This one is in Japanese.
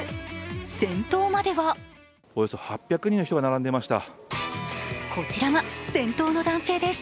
先頭まではこちらが先頭の男性です。